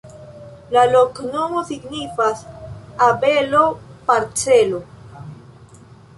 La loknomo signifas: abelo-parcelo.